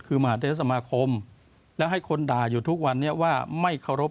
คือมหาเทศสมาคมแล้วให้คนด่าอยู่ทุกวันนี้ว่าไม่เคารพ